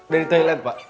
dari thailand pak